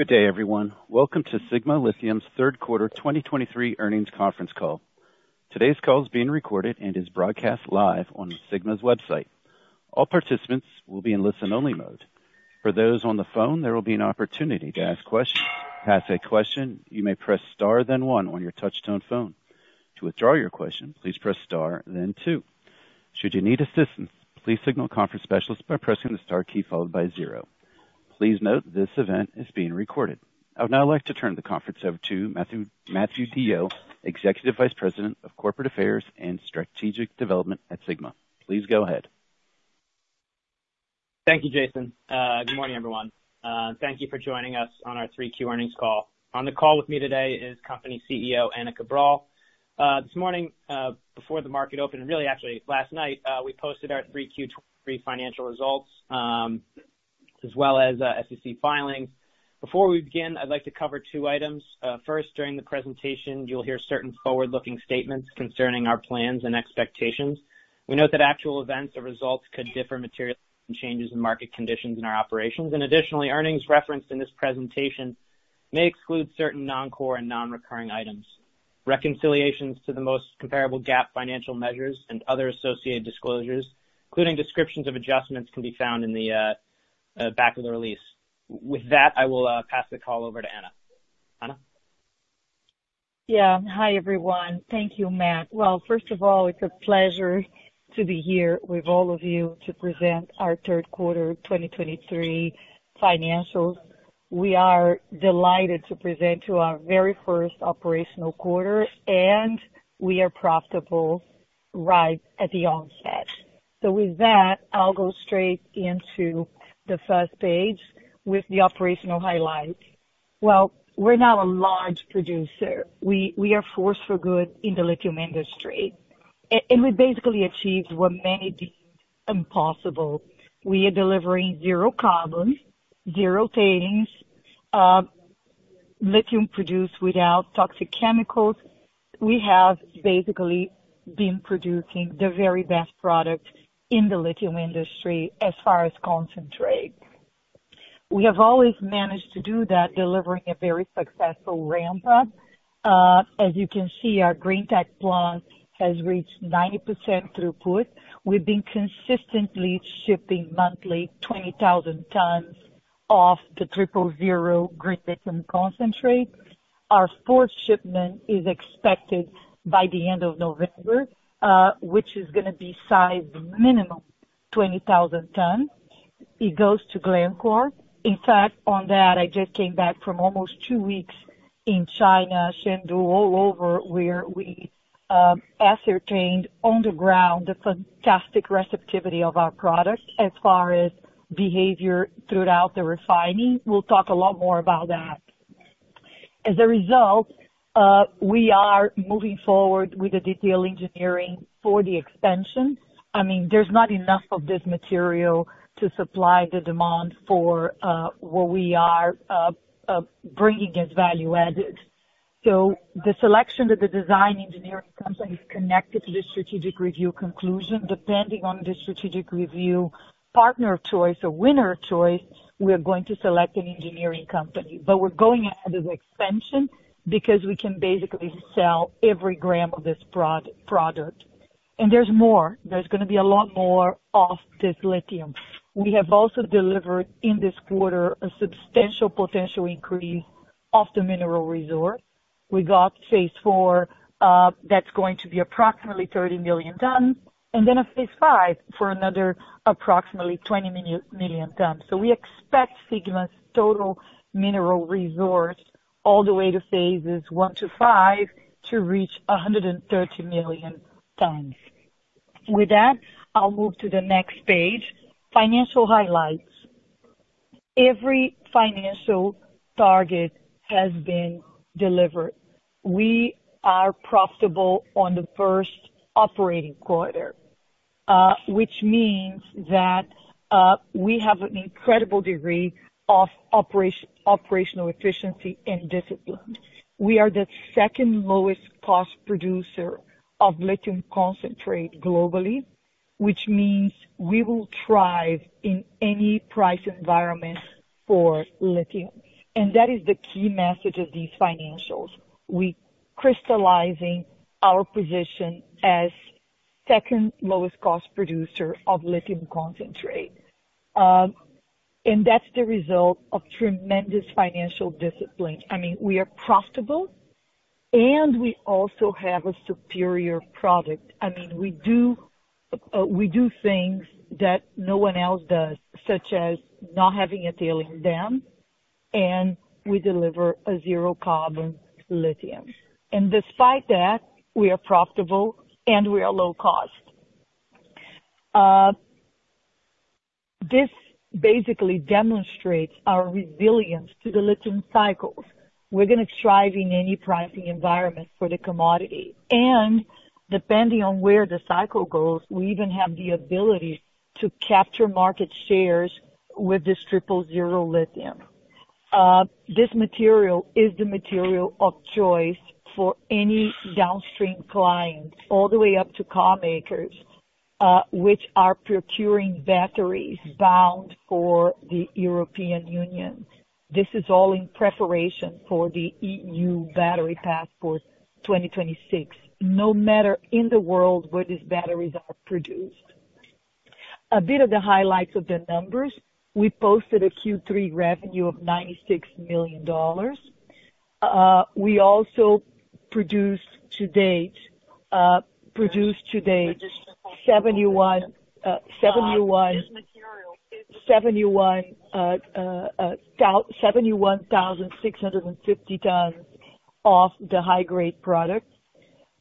Good day, everyone. Welcome to Sigma Lithium's third quarter 2023 earnings conference call. Today's call is being recorded and is broadcast live on Sigma's website. All participants will be in listen-only mode. For those on the phone, there will be an opportunity to ask questions. To ask a question, you may press star, then one on your touchtone phone. To withdraw your question, please press star, then two. Should you need assistance, please signal a conference specialist by pressing the star key, followed by zero. Please note, this event is being recorded. I would now like to turn the conference over to Matthew- Matthew DeYoe, Executive Vice President of Corporate Affairs and Strategic Development at Sigma. Please go ahead. Thank you, Jason. Good morning, everyone. Thank you for joining us on our 3Q earnings call. On the call with me today is Company CEO, Ana Cabral. This morning, before the market opened, really actually last night, we posted our 3Q 2023 financial results, as well as SEC filings. Before we begin, I'd like to cover two items. First, during the presentation, you'll hear certain forward-looking statements concerning our plans and expectations. We note that actual events or results could differ materially from changes in market conditions in our operations. Additionally, earnings referenced in this presentation may exclude certain non-core and non-recurring items. Reconciliations to the most comparable GAAP financial measures and other associated disclosures, including descriptions of adjustments, can be found in the back of the release. With that, I will pass the call over to Ana. Ana? Yeah. Hi, everyone. Thank you, Matt. Well, first of all, it's a pleasure to be here with all of you to present our third quarter 2023 financials. We are delighted to present to our very first operational quarter, and we are profitable right at the onset. So with that, I'll go straight into the first page with the operational highlights. Well, we're now a large producer. We, we are force for good in the lithium industry, and we basically achieved what many deemed impossible. We are delivering zero carbon, zero tailings, lithium produced without toxic chemicals. We have basically been producing the very best product in the lithium industry as far as concentrate. We have always managed to do that, delivering a very successful ramp-up. As you can see, our Greentech Plant has reached 90% throughput. We've been consistently shipping monthly, 20,000 tons of the triple Zero Green Lithium concentrate. Our fourth shipment is expected by the end of November, which is gonna be sized minimum 20,000 tons. It goes to Glencore. In fact, on that, I just came back from almost two weeks in China, Chengdu, all over, where we ascertained on the ground the fantastic receptivity of our products as far as behavior throughout the refining. We'll talk a lot more about that. As a result, we are moving forward with the detail engineering for the expansion. I mean, there's not enough of this material to supply the demand for what we are bringing as value added. So the selection of the design engineering company is connected to the strategic review conclusion. Depending on the strategic review, partner of choice or winner of choice, we are going to select an engineering company. But we're going ahead as expansion because we can basically sell every gram of this product. There's more. There's gonna be a lot more of this lithium. We have also delivered in this quarter, a substantial potential increase of the mineral resource. We got phase IV, that's going to be approximately 30 million tons, and then a phase V for another approximately 20 million tons. We expect Sigma's total mineral resource all the way to phases I to V, to reach 130 million tons. With that, I'll move to the next page. Financial highlights. Every financial target has been delivered. We are profitable on the first operating quarter, which means that we have an incredible degree of operational efficiency and discipline. We are the second lowest cost producer of lithium concentrate globally, which means we will thrive in any price environment for lithium. And that is the key message of these financials. We crystallizing our position as second lowest cost producer of lithium concentrate. And that's the result of tremendous financial discipline. I mean, we are profitable, and we also have a superior product. I mean, we do things that no one else does, such as not having a tailings dam, and we deliver a zero carbon lithium. And despite that, we are profitable, and we are low cost. This basically demonstrates our resilience to the lithium cycles. We're gonna thrive in any pricing environment for the commodity, and depending on where the cycle goes, we even have the ability to capture market shares with this Triple Zero Lithium. This material is the material of choice for any downstream client, all the way up to car makers, which are procuring batteries bound for the European Union. This is all in preparation for the EU Battery Passport 2026, no matter in the world where these batteries are produced. A bit of the highlights of the numbers: We posted a Q3 revenue of $96 million. We also produced to date 71,650 tons of the high-grade product.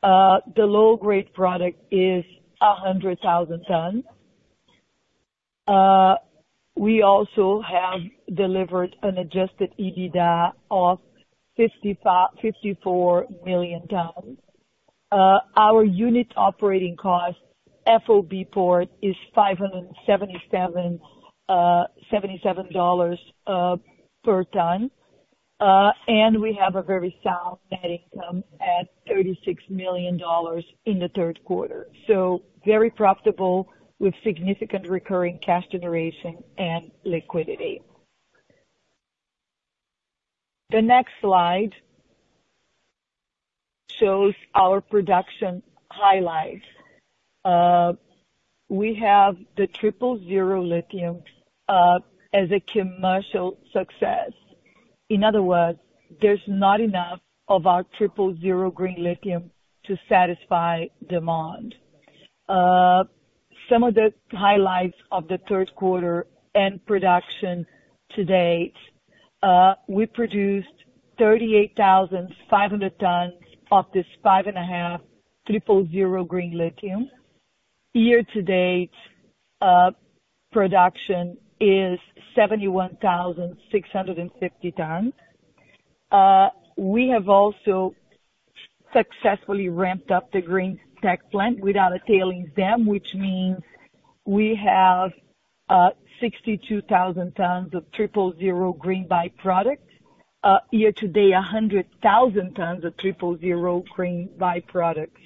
The low-grade product is 100,000 tons. We also have delivered an Adjusted EBITDA of $54 million. Our unit operating cost, FOB port, is $577 per ton. We have a very sound net income at $36 million in the third quarter. So very profitable, with significant recurring cash generation and liquidity. The next slide shows our production highlights. We have the Triple Zero lithium as a commercial success. In other words, there's not enough of our Triple Zero Green Lithium to satisfy demand. Some of the highlights of the third quarter and production to date. We produced 38,500 tons of this 5.5 Triple Zero Green Lithium. Year to date, production is 71,650 tons. We have also successfully ramped up the Greentech Plant without a tailings dam, which means we have 62,000 tons of Triple Zero Green by-product. Year to date, 100,000 tons of Triple Zero Green by-products.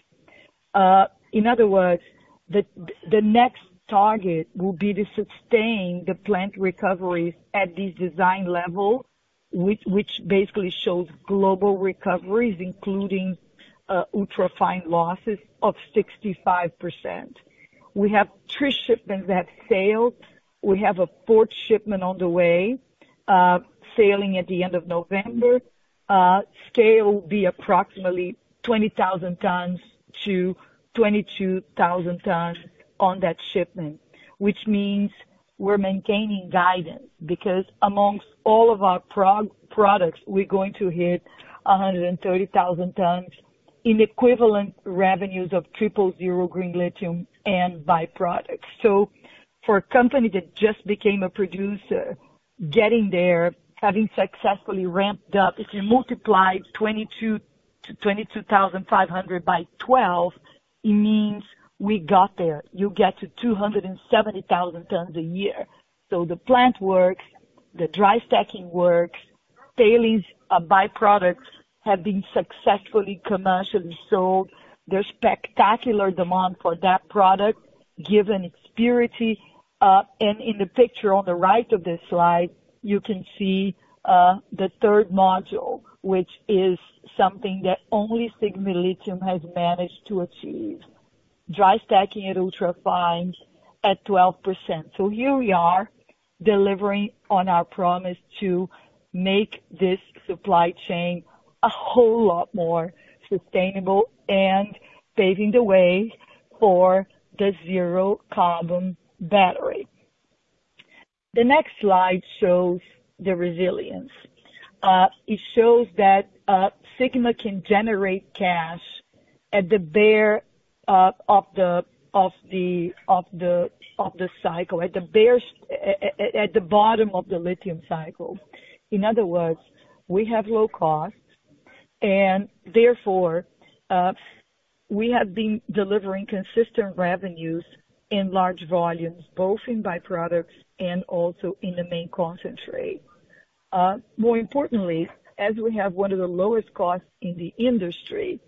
In other words, the next target will be to sustain the plant recoveries at this design level, which basically shows global recoveries, including ultra-fine losses of 65%. We have three shipments that sailed. We have a fourth shipment on the way, sailing at the end of November. Scale will be approximately 20,000-22,000 tons on that shipment, which means we're maintaining guidance, because amongst all of our products, we're going to hit 130,000 tons in equivalent revenues of Triple Zero Green Lithium and by-products. So for a company that just became a producer, getting there, having successfully ramped up, if you multiply 22-22,500 by twelve, it means we got there. You get to 270,000 tons a year. So the plant works, the dry stacking works, tailings, by-products have been successfully commercially sold. There's spectacular demand for that product, given its purity. And in the picture on the right of this slide, you can see, the third module, which is something that only Sigma Lithium has managed to achieve. Dry stacking at ultra fine at 12%. So here we are, delivering on our promise to make this supply chain a whole lot more sustainable and paving the way for the Zero Carbon Battery. The next slide shows the resilience. It shows that, Sigma can generate cash at the bottom of the lithium cycle. In other words, we have low costs, and therefore, we have been delivering consistent revenues in large volumes, both in by-products and also in the main concentrate. More importantly, as we have one of the lowest costs in the industry,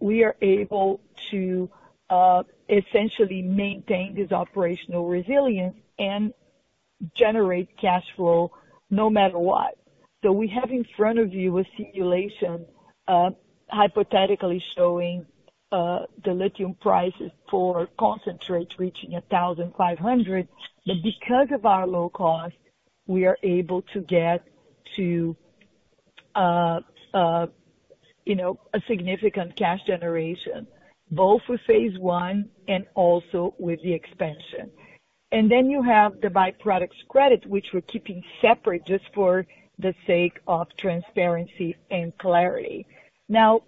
we are able to, essentially maintain this operational resilience and generate cash flow no matter what. So we have in front of you a simulation, hypothetically showing, the lithium prices for concentrates reaching $1,500. But because of our low cost, we are able to get to, you know, a significant cash generation, both with phase I and also with the expansion. And then you have the by-products credit, which we're keeping separate just for the sake of transparency and clarity. Now,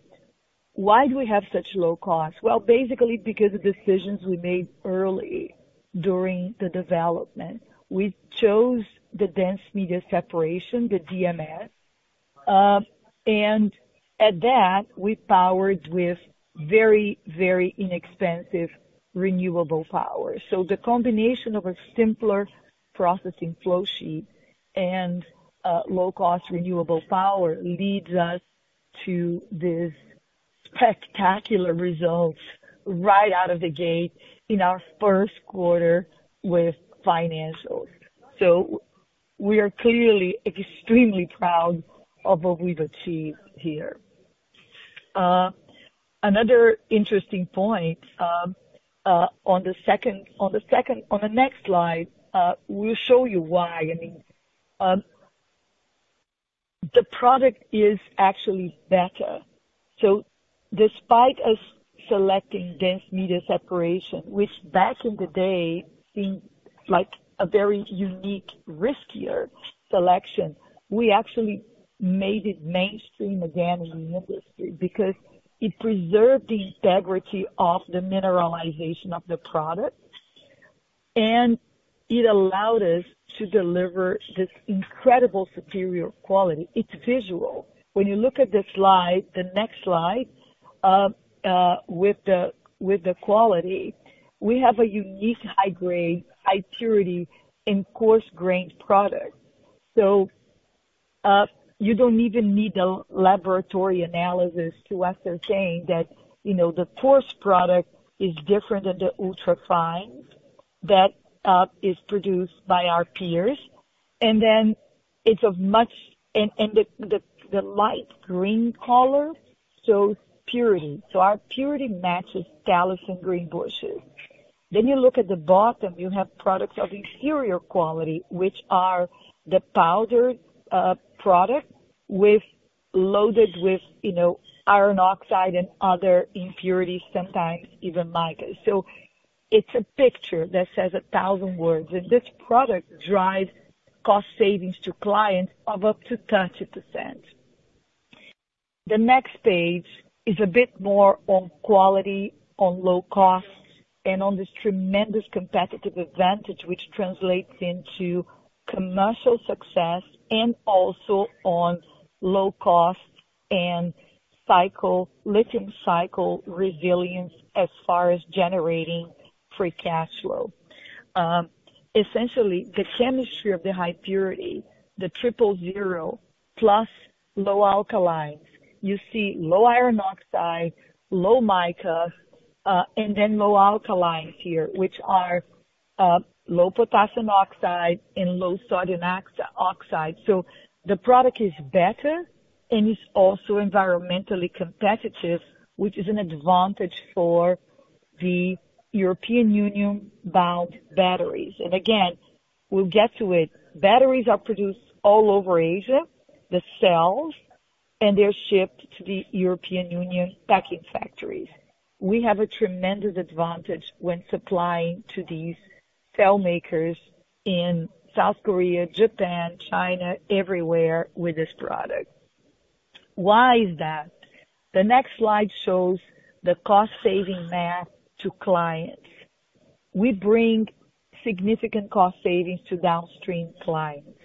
why do we have such low costs? Well, basically because of decisions we made early during the development. We chose the Dense Media Separation, the DMS, and at that, we powered with very, very inexpensive renewable power. So the combination of a simpler processing flow sheet and low-cost renewable power leads us to this spectacular results right out of the gate in our first quarter with financials. So we are clearly extremely proud of what we've achieved here. Another interesting point on the next slide, we'll show you why. I mean, the product is actually better. So despite us selecting Dense Media Separation, which back in the day seemed like a very unique, riskier selection, we actually made it mainstream again in the industry because it preserved the integrity of the mineralization of the product, and it allowed us to deliver this incredible superior quality. It's visual. When you look at the slide, the next slide, with the quality, we have a unique high grade, high purity, and coarse grain product. So, you don't even need a laboratory analysis to ascertain that, you know, the coarse product is different than the ultra-fine that is produced by our peers. And then it's a much. And the light green color shows purity, so our purity matches Talison and Greenbushes. Then you look at the bottom, you have products of inferior quality, which are the powder product, loaded with, you know, iron oxide and other impurities, sometimes even mica. So it's a picture that says a thousand words. And this product drives cost savings to clients of up to 30%. The next page is a bit more on quality, on low costs, and on this tremendous competitive advantage, which translates into commercial success and also on low cost and cycle, lithium cycle resilience as far as generating free cash flow. Essentially, the chemistry of the high purity, the Triple Zero plus low alkaline, you see low iron oxide, low mica, and then low alkalines here, which are low potassium oxide and low sodium oxide. So the product is better, and it's also environmentally competitive, which is an advantage for the European Union-bound batteries. And again, we'll get to it. Batteries are produced all over Asia, the cells, and they're shipped to the European Union packing factories. We have a tremendous advantage when supplying to these cell makers in South Korea, Japan, China, everywhere, with this product. Why is that? The next slide shows the cost-saving math to clients. We bring significant cost savings to downstream clients.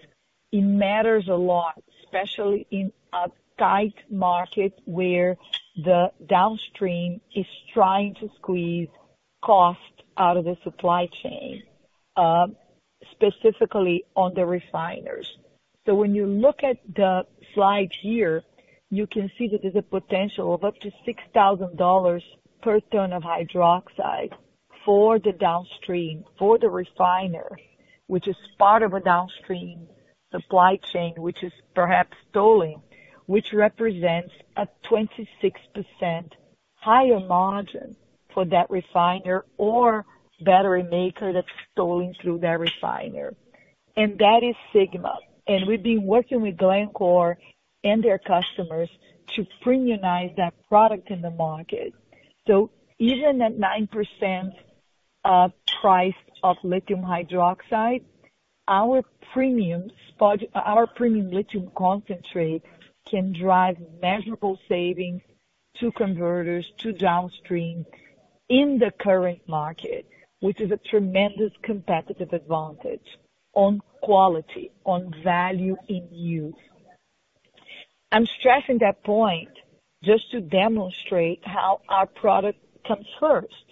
It matters a lot, especially in a tight market where the downstream is trying to squeeze cost out of the supply chain, specifically on the refiners. So when you look at the slides here, you can see that there's a potential of up to $6,000 per ton of hydroxide for the downstream, for the refiner, which is part of a downstream supply chain, which is perhaps a steal, which represents a 26% higher margin for that refiner or battery maker that's a steal through that refiner. And that is Sigma. And we've been working with Glencore and their customers to premiumize that product in the market. So even at 90% price of lithium hydroxide, our premium lithium concentrate can drive measurable savings to converters, to downstream in the current market, which is a tremendous competitive advantage on quality, on value in use. I'm stressing that point just to demonstrate how our product comes first,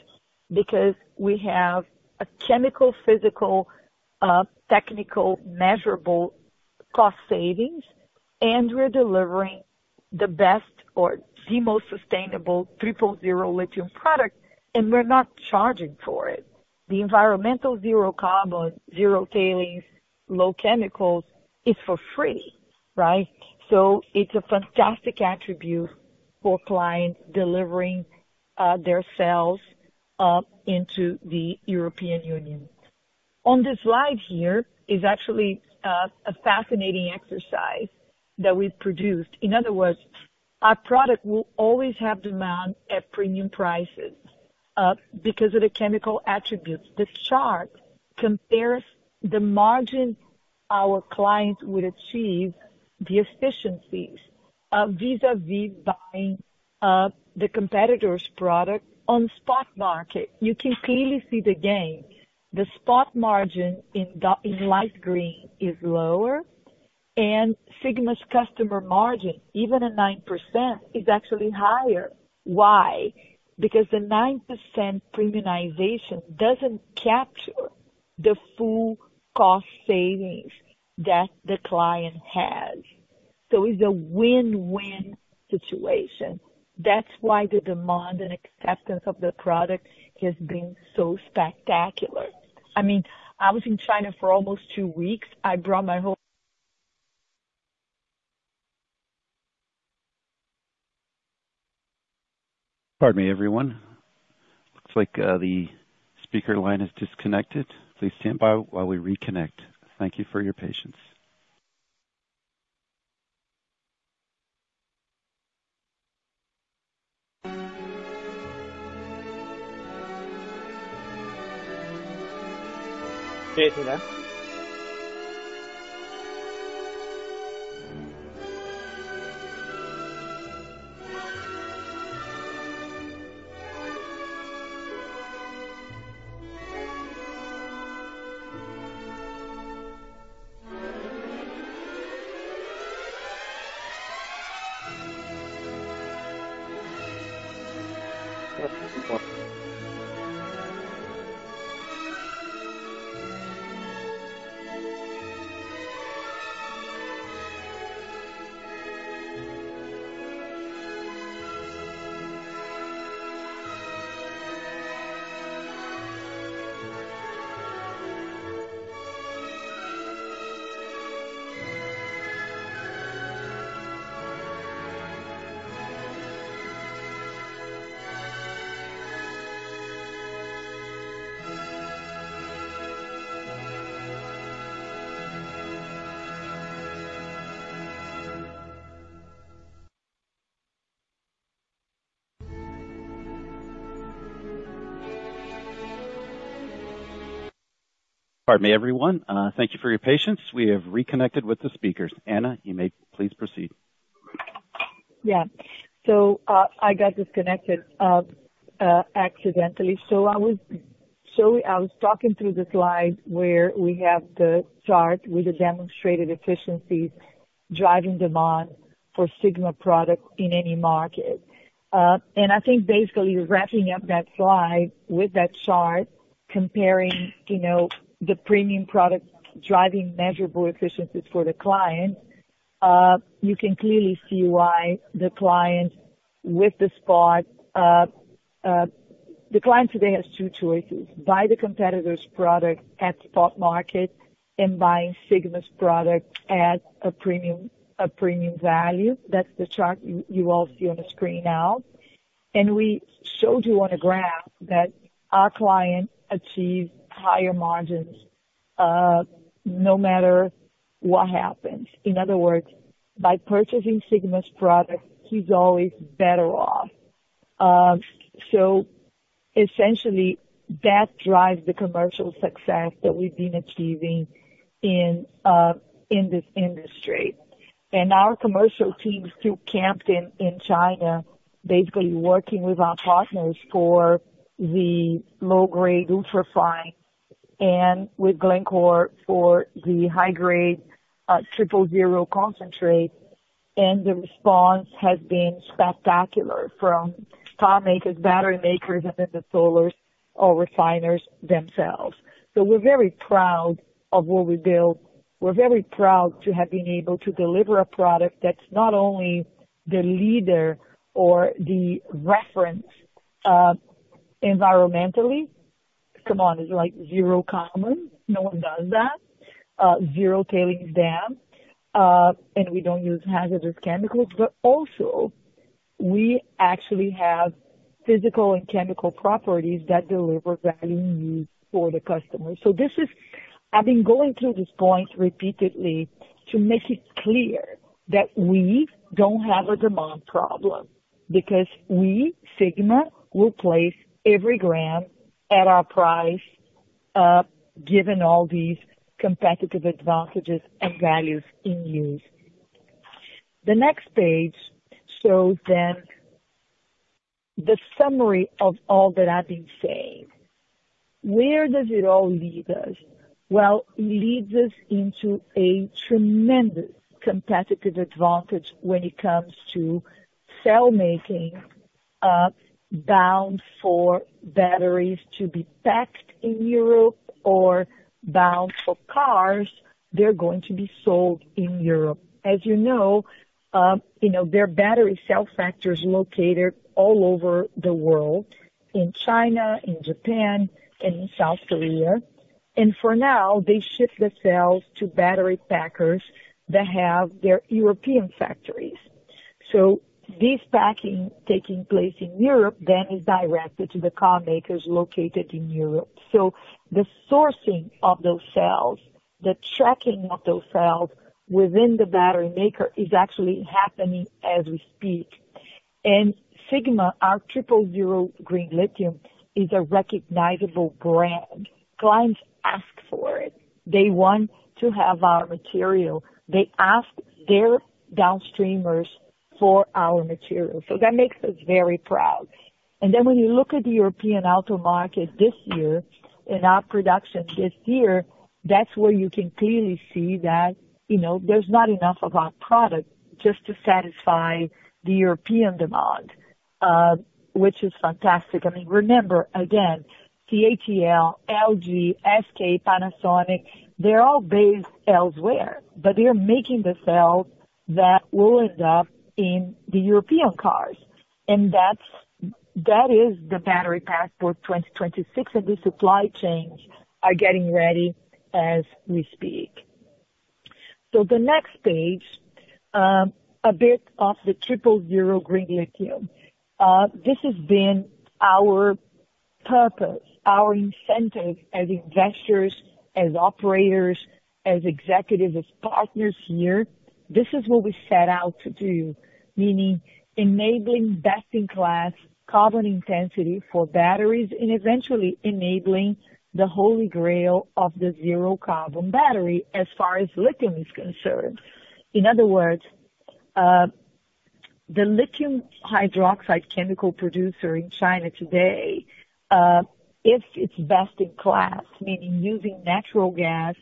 because we have a chemical, physical, technical, measurable cost savings, and we're delivering the best or the most sustainable Triple Zero Lithium product, and we're not charging for it. The environmental zero carbon, zero tailings, low chemicals is for free, right? So it's a fantastic attribute for clients delivering their cells into the European Union. On this slide here is actually a fascinating exercise that we've produced. In other words, our product will always have demand at premium prices because of the chemical attributes. This chart compares the margin our clients would achieve, the efficiencies vis-a-vis buying the competitor's product on spot market. You can clearly see the gain. The spot margin in light green is lower, and Sigma's customer margin, even at 9%, is actually higher. Why? Because the 9% premiumization doesn't capture the full cost savings that the client has. So it's a win-win situation. That's why the demand and acceptance of the product has been so spectacular. I mean, I was in China for almost two weeks. I brought my whole- Pardon me, everyone. Looks like, the speaker line is disconnected. Please stand by while we reconnect. Thank you for your patience. Pardon me, everyone. Thank you for your patience. We have reconnected with the speakers. Ana, you may please proceed. Yeah. So, I got disconnected accidentally. So I was talking through the slide where we have the chart with the demonstrated efficiencies driving demand for Sigma products in any market. And I think basically wrapping up that slide with that chart, comparing, you know, the premium product, driving measurable efficiencies for the client, you can clearly see why the client with the spot. The client today has two choices: buy the competitor's product at the spot market and buying Sigma's product at a premium, a premium value. That's the chart you all see on the screen now. And we showed you on a graph that our client achieves higher margins, no matter what happens. In other words, by purchasing Sigma's product, he's always better off. So essentially, that drives the commercial success that we've been achieving in this industry. Our commercial teams still camped in China, basically working with our partners for the low-grade ultrafine and with Glencore for the high-grade Triple Zero concentrate. The response has been spectacular from car makers, battery makers, and then the sellers or refiners themselves. So we're very proud of what we built. We're very proud to have been able to deliver a product that's not only the leader or the reference environmentally. Come on, it's like zero carbon. No one does that. Zero tailings dam, and we don't use hazardous chemicals, but also we actually have physical and chemical properties that deliver value in use for the customer. So this is. I've been going through this point repeatedly to make it clear that we don't have a demand problem because we, Sigma, will place every gram at our price, given all these competitive advantages and values in use. The next page shows that the summary of all that I've been saying, where does it all lead us? Well, it leads us into a tremendous competitive advantage when it comes to cell making, bound for batteries to be packed in Europe or bound for cars, they're going to be sold in Europe. As you know, you know, their battery cell factories located all over the world, in China, in Japan, and in South Korea. And for now, they ship the cells to battery packers that have their European factories. So this packing taking place in Europe, then is directed to the car makers located in Europe. So the sourcing of those cells, the tracking of those cells within the battery maker, is actually happening as we speak. And Sigma, our Triple Zero Green Lithium, is a recognizable brand. Clients ask for it. They want to have our material. They ask their downstreamers for our material. So that makes us very proud. And then when you look at the European auto market this year and our production this year, that's where you can clearly see that, you know, there's not enough of our product just to satisfy the European demand, which is fantastic. I mean, remember, again, CATL, LG, SK, Panasonic, they're all based elsewhere, but they are making the cells that will end up in the European cars. And that's. That is the Battery Passport 2026, and the supply chains are getting ready as we speak. So the next page, a bit of the Triple Zero Green Lithium. This has been our purpose, our incentive as investors, as operators, as executives, as partners here. This is what we set out to do, meaning enabling best-in-class carbon intensity for batteries and eventually enabling the Holy Grail of the zero-carbon battery as far as lithium is concerned. In other words, the lithium hydroxide chemical producer in China today, if it's best in class, meaning using natural gas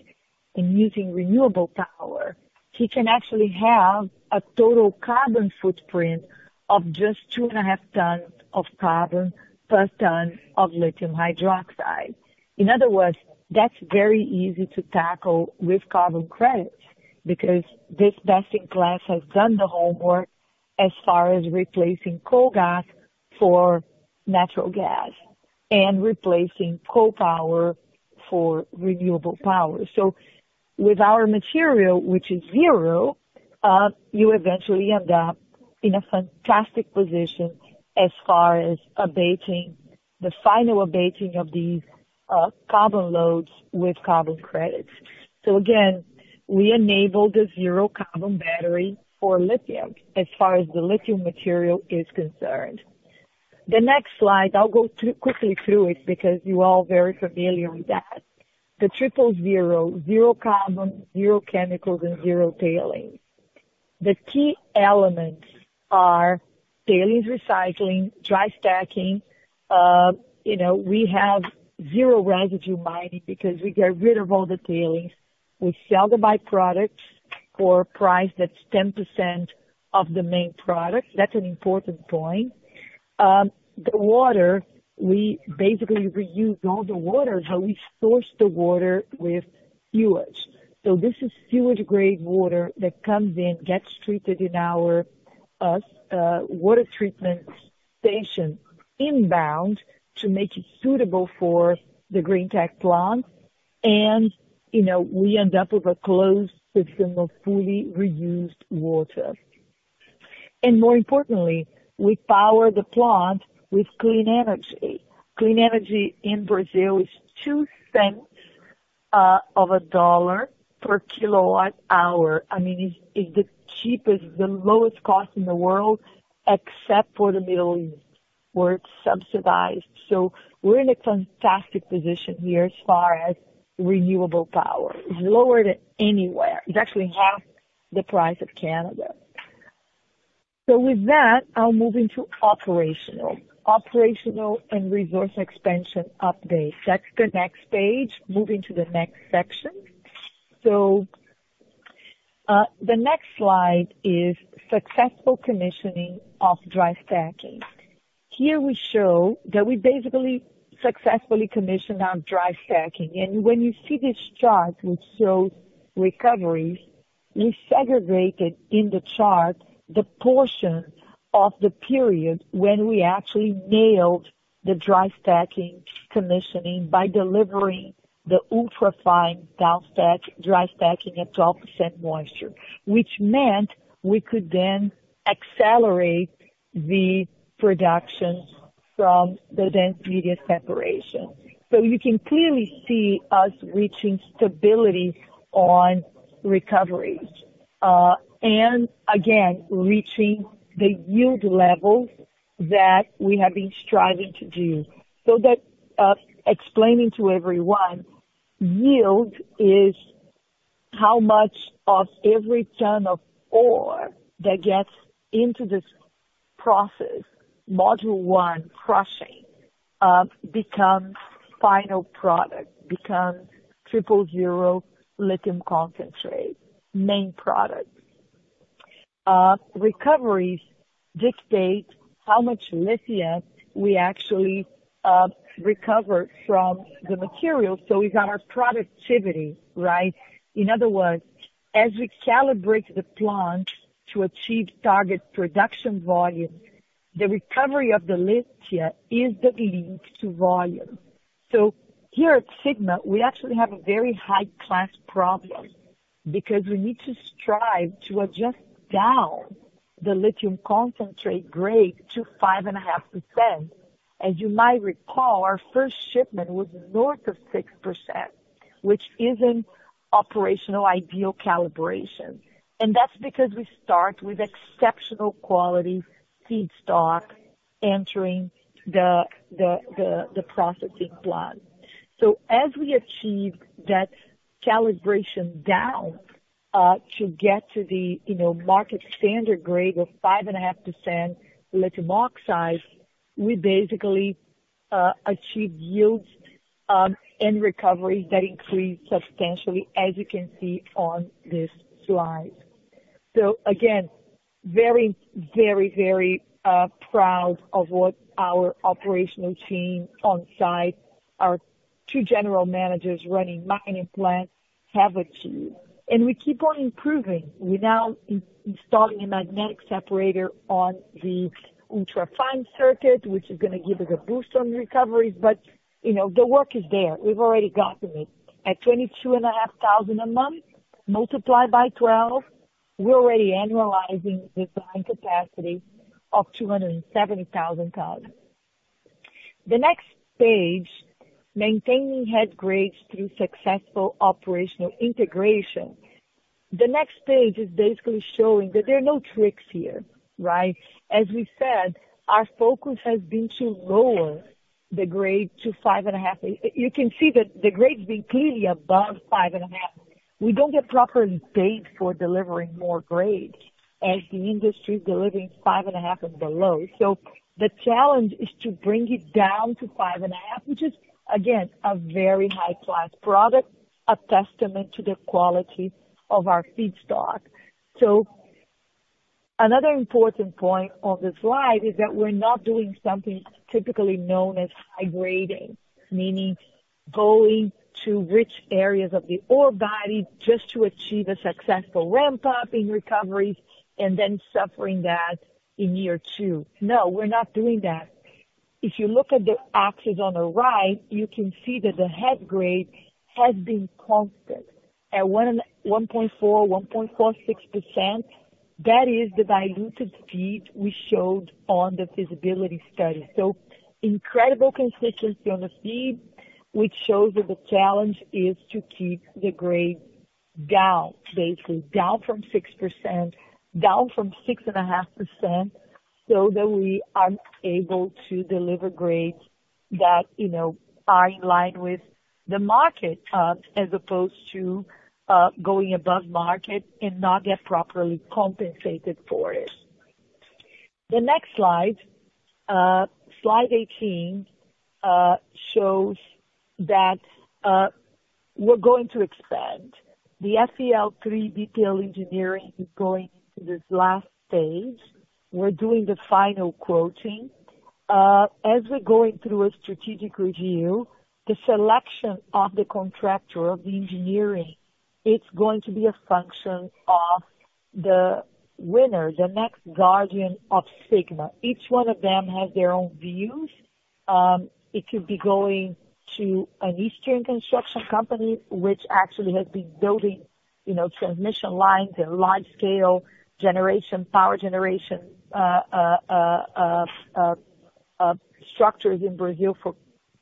and using renewable power, he can actually have a total carbon footprint of just 2.5 tons of carbon per ton of lithium hydroxide. In other words, that's very easy to tackle with carbon credits, because this best in class has done the homework as far as replacing coal gas for natural gas and replacing coal power for renewable power. With our material, which is zero, you eventually end up in a fantastic position as far as abating the final abating of these carbon loads with carbon credits. So again, we enable the zero-carbon battery for lithium as far as the lithium material is concerned. The next slide, I'll go through quickly through it, because you're all very familiar with that. The Triple Zero: zero carbon, zero chemicals and zero tailings. The key elements are tailings recycling, dry stacking. You know, we have zero residue mining because we get rid of all the tailings. We sell the byproducts for a price that's 10% of the main product. That's an important point. The water, we basically reuse all the water, so we source the water with sewage. So this is sewage-grade water that comes in, gets treated in our water treatment station inbound to make it suitable for the Greentech Plant. And, you know, we end up with a closed system of fully reused water. And more importantly, we power the plant with clean energy. Clean energy in Brazil is $0.02 per kWh. I mean, it's the cheapest, the lowest cost in the world, except for the Middle East, where it's subsidized. So we're in a fantastic position here as far as renewable power. It's lower than anywhere. It's actually half the price of Canada. So with that, I'll move into operational. Operational and resource expansion update. That's the next page. Moving to the next section. So the next slide is successful commissioning of dry stacking. Here we show that we basically successfully commissioned our dry stacking. And when you see this chart, which shows recoveries, we segregated in the chart the portion of the period when we actually nailed the dry stacking commissioning by delivering the ultra-fine down stack, dry stacking at 12% moisture. Which meant we could then accelerate the production from the Dense Media Separation. So you can clearly see us reaching stability on recoveries, and again, reaching the yield levels that we have been striving to do. So that, explaining to everyone, yield is how much of every ton of ore that gets into this process, module one, crushing, becomes final product, becomes Triple Zero Lithium Concentrate, main product. Recoveries dictate how much lithium we actually recover from the material. So we've got our productivity, right? In other words, as we calibrate the plant to achieve target production volume, the recovery of the lithium is the link to volume. So here at Sigma, we actually have a very high-class problem, because we need to strive to adjust down the lithium concentrate grade to 5.5%. As you might recall, our first shipment was north of 6%, which isn't operational ideal calibration. And that's because we start with exceptional quality feedstock entering the processing plant. So as we achieve that calibration down to get to the, you know, market standard grade of 5.5% lithium oxide, we basically achieve yields and recovery that increase substantially, as you can see on this slide. So again, very, very, very proud of what our operational team on site, our two general managers running mining plant have achieved. And we keep on improving. We're now installing a magnetic separator on the ultrafine circuit, which is gonna give us a boost on recoveries, but, you know, the work is there. We've already gotten it. At 22,500 a month, multiplied by 12, we're already annualizing design capacity of 270,000 tons. The next page, maintaining head grades through successful operational integration. The next page is basically showing that there are no tricks here, right? As we said, our focus has been to lower the grade to 5.5. You can see that the grade's been clearly above 5.5. We don't get proper date for delivering more grades, as the industry is delivering 5.5 and below. So the challenge is to bring it down to 5.5, which is, again, a very high-class product, a testament to the quality of our feedstock. So another important point on this slide is that we're not doing something typically known as high grading, meaning going to rich areas of the ore body just to achieve a successful ramp-up in recoveries and then suffering that in year two. No, we're not doing that. If you look at the axes on the right, you can see that the head grade has been constant at 1.46%. That is the diluted feed we showed on the feasibility study. So incredible consistency on the feed, which shows that the challenge is to keep the grade down, basically down from 6%, down from 6.5%, so that we are able to deliver grades that, you know, are in line with the market, as opposed to going above market and not get properly compensated for it. The next slide, slide 18, shows that we're going to expand. The FEL 3 detailed engineering is going into this last phase. We're doing the final quoting. As we're going through a strategic review, the selection of the contractor of the engineering, it's going to be a function of the winner, the next guardian of Sigma. Each one of them has their own views. It could be going to an eastern construction company, which actually has been building, you know, transmission lines and large-scale generation, power generation, structures in Brazil for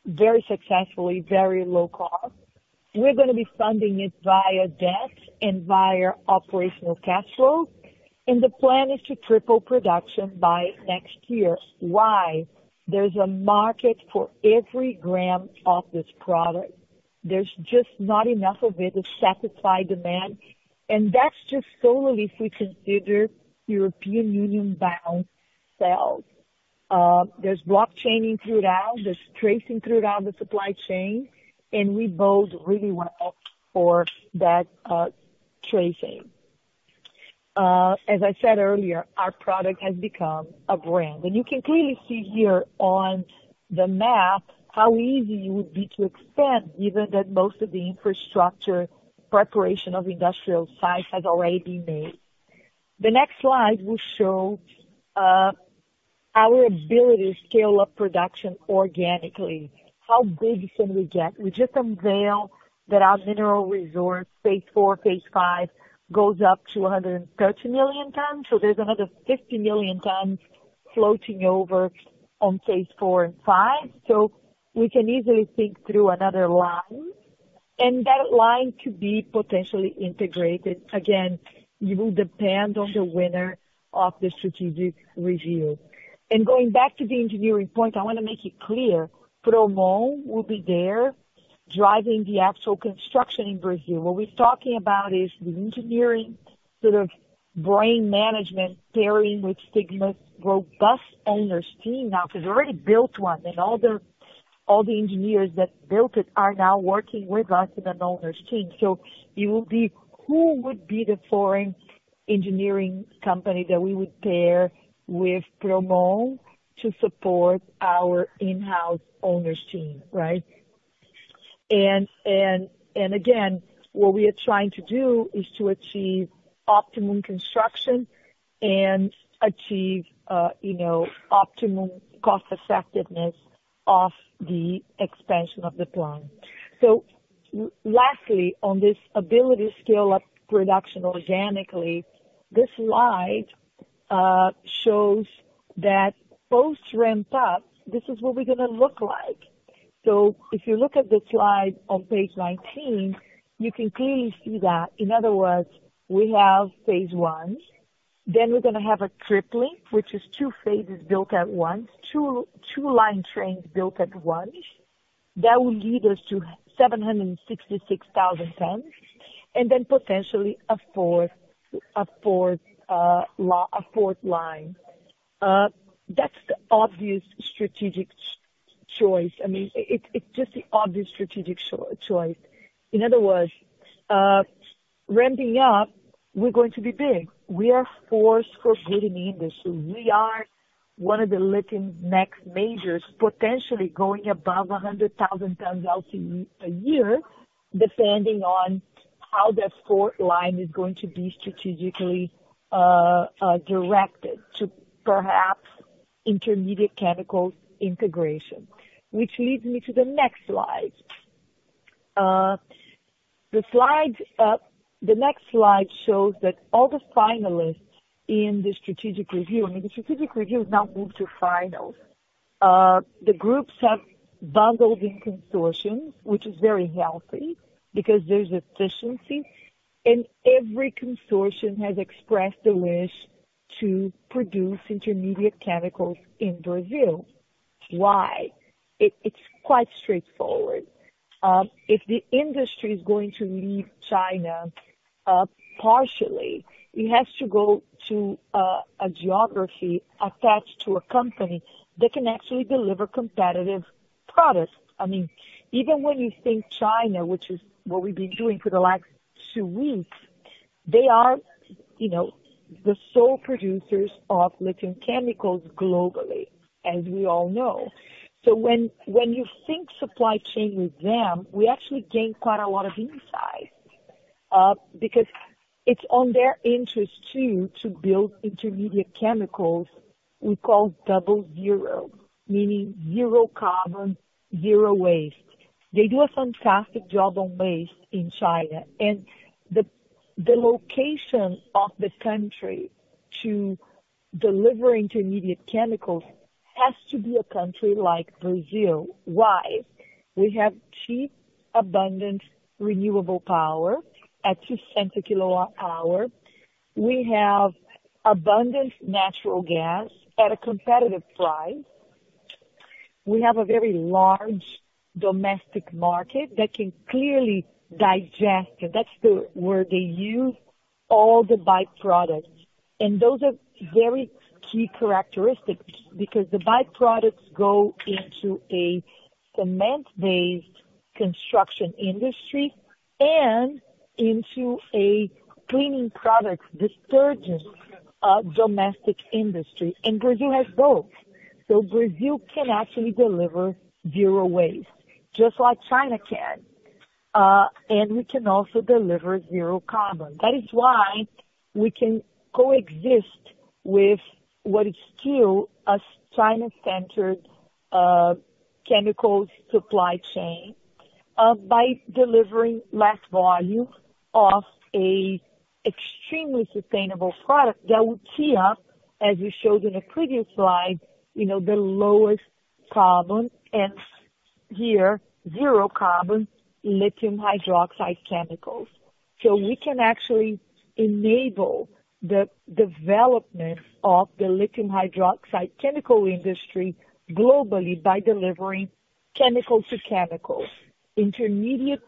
very successfully, very low cost. We're gonna be funding it via debt and via operational cash flow, and the plan is to triple production by next year. Why? There's a market for every gram of this product. There's just not enough of it to satisfy demand, and that's just solely if we consider European Union-bound sales. There's blockchain throughout, there's tracing throughout the supply chain, and we build really well for that, tracing. As I said earlier, our product has become a brand, and you can clearly see here on the map how easy it would be to expand, given that most of the infrastructure preparation of industrial size has already been made. The next slide will show our ability to scale up production organically. How big can we get? We just unveiled that our mineral resource, phase IV, phase V goes up to 130 million tons, so there's another 50 million tons floating over on phase IV and V. So we can easily think through another line, and that line to be potentially integrated. Again, it will depend on the winner of the strategic review. And going back to the engineering point, I wanna make it clear, Promon will be there driving the actual construction in Brazil. What we're talking about is the engineering sort of brain management, pairing with Sigma's robust owners team. Now, they've already built one, and all the, all the engineers that built it are now working with us in an owners team. So it will be, who would be the foreign engineering company that we would pair with Promon to support our in-house owners team, right? And again, what we are trying to do is to achieve optimum construction and achieve, you know, optimum cost effectiveness of the expansion of the plant. So lastly, on this ability to scale up production organically, this slide shows that post-ramp up, this is what we're gonna look like. So if you look at the slide on page 19, you can clearly see that. In other words, we have phase I, then we're gonna have a tripling, which is two phases built at once, two line trains built at once. That will lead us to 766,000 tons, and then potentially a fourth, a fourth line. That's the obvious strategic choice. I mean, it's just the obvious strategic choice. In other words, ramping up, we're going to be big. We are a force for good in the industry. We are one of the lithium next majors, potentially going above 100,000 tons out in a year, depending on how the fourth line is going to be strategically directed to perhaps intermediate chemical integration. Which leads me to the next slide. The next slide shows that all the finalists in the strategic review, and the strategic review has now moved to finals. The groups have bundled in consortiums, which is very healthy because there's efficiency, and every consortium has expressed the wish to produce intermediate chemicals in Brazil. Why? It's quite straightforward. If the industry is going to leave China, partially, it has to go to a geography attached to a company that can actually deliver competitive products. I mean, even when you think China, which is what we've been doing for the last two weeks, they are, you know, the sole producers of lithium chemicals globally, as we all know. So when you think supply chain with them, we actually gain quite a lot of insight, because it's on their interest too, to build intermediate chemicals we call double zero, meaning zero carbon, zero waste. They do a fantastic job on waste in China, and the location of the country to deliver intermediate chemicals has to be a country like Brazil. Why? We have cheap, abundant, renewable power at $0.02/kWh. We have abundant natural gas at a competitive price. We have a very large domestic market that can clearly digest, and that's the word they use, all the byproducts. And those are very key characteristics because the byproducts go into a cement-based construction industry and into a cleaning product, detergent, domestic industry, and Brazil has both. So Brazil can actually deliver zero waste, just like China can. And we can also deliver zero carbon. That is why we can coexist with what is still a China-centered, chemicals supply chain, by delivering less volume of an extremely sustainable product that will tier up, as we showed in the previous slide, you know, the lowest carbon, and here, zero carbon, lithium hydroxide chemicals. So we can actually enable the development of the lithium hydroxide chemical industry globally by delivering chemical to chemical, intermediate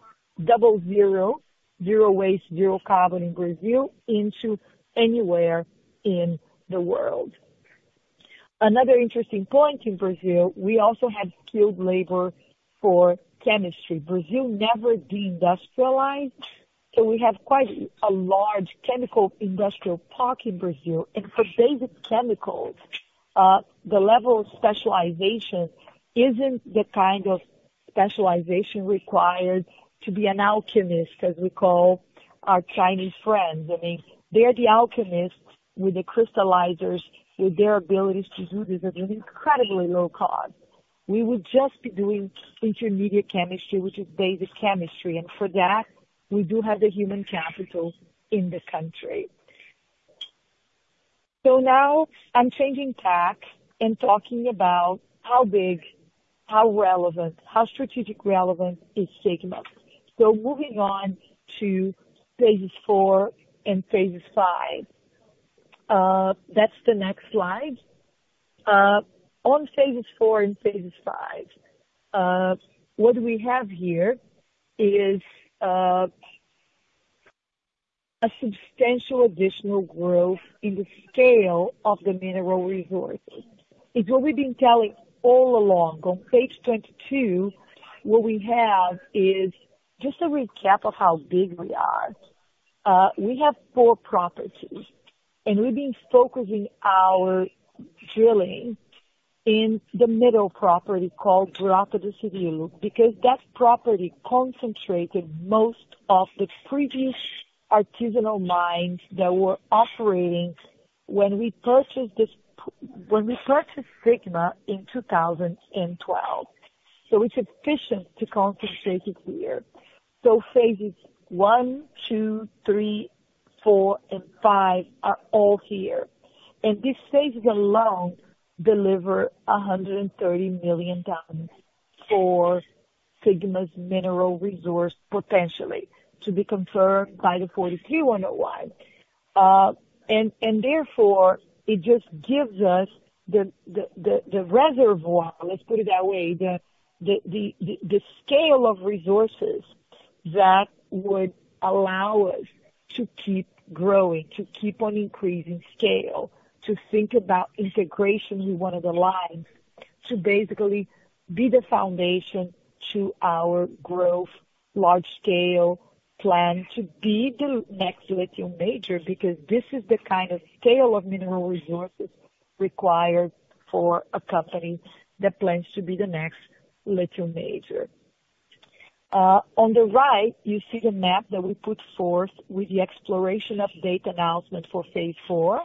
double zero, zero waste, zero carbon in Brazil into anywhere in the world. Another interesting point in Brazil, we also have skilled labor for chemistry. Brazil never deindustrialized, so we have quite a large chemical industrial park in Brazil. And for basic chemicals, the level of specialization isn't the kind of specialization required to be an alchemist, as we call our Chinese friends. I mean, they are the alchemists with the crystallizers, with their abilities to do this at an incredibly low cost. We would just be doing intermediate chemistry, which is basic chemistry, and for that, we do have the human capital in the country. So now I'm changing tack and talking about how big, how relevant, how strategic relevance is taking us. So moving on to phases IV and phases V. That's the next slide. On phases IVand phases V, what we have here is a substantial additional growth in the scale of the mineral resources. It's what we've been telling all along. On page 22, what we have is just a recap of how big we are. We have four properties, and we've been focusing our drilling in the middle property called Grota do Cirilo, because that property concentrated most of the previous artisanal mines that were operating when we purchased this, when we purchased Sigma in 2012. So it's efficient to concentrate it here. So phases I, II, III, IV and V are all here, and these stages alone deliver 130 million tons for Sigma's mineral resource, potentially, to be confirmed by the 43-101. Therefore, it just gives us the reservoir, let's put it that way. The scale of resources that would allow us to keep growing, to keep on increasing scale, to think about integration with one of the lines, to basically be the foundation to our growth, large scale plan to be the next lithium major, because this is the kind of scale of mineral resources required for a company that plans to be the next lithium major. On the right, you see the map that we put forth with the exploration update announcement for phase IV.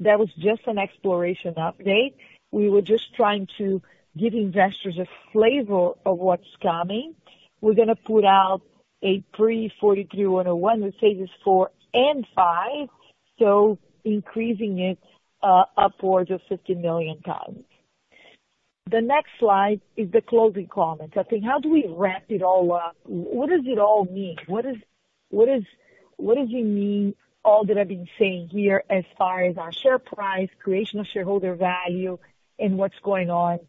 That was just an exploration update. We were just trying to give investors a flavor of what's coming. We're gonna put out a pre-43-101 with phases IV and V, so increasing it upwards of 50 million tons. The next slide is the closing comments. I think, how do we wrap it all up? What does it all mean? What is, what is, what does it mean, all that I've been saying here as far as our share price, creation of shareholder value, and what's going on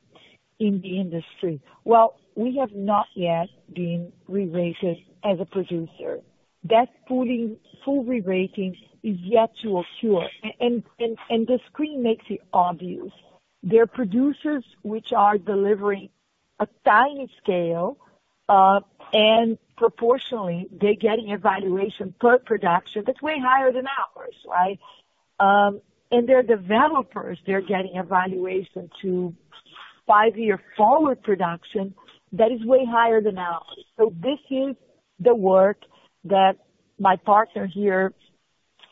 in the industry? Well, we have not yet been re-rated as a producer. That fully, full re-rating is yet to occur. And the screen makes it obvious. There are producers which are delivering a tiny scale, and proportionally, they're getting a valuation per production that's way higher than ours, right? And there are developers, they're getting a valuation to five-year forward production that is way higher than ours. So this is the work that my partner here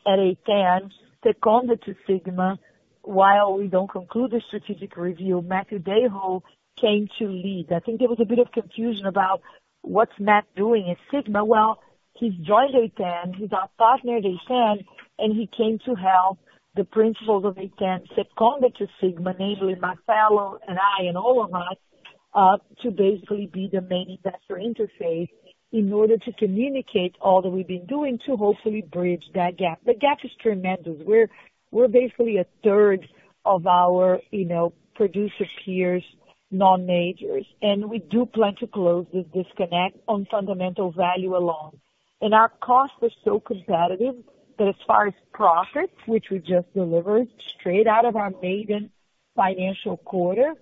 at A10 seconded to Sigma, while we don't conclude the strategic review, Matthew DeYoe came to lead. I think there was a bit of confusion about what's Matt doing at Sigma. Well, he's joined A10. He got partnered ATAN, and he came to help the principals of A10 seconded to Sigma, namely Marcelo and I and all of us, to basically be the main investor interface in order to communicate all that we've been doing to hopefully bridge that gap. The gap is tremendous. We're, we're basically a third of our, you know, producer peers, non-majors, and we do plan to close this disconnect on fundamental value alone. And our cost is so competitive that as far as profits, which we just delivered straight out of our maiden financial quarter,